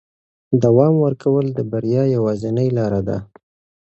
دوام ورکول د بریا یوازینۍ لاره ده.